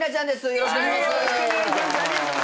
よろしくお願いします。